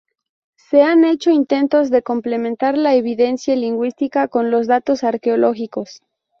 Se han hecho intentos de complementar la evidencia lingüística con los datos arqueológicos.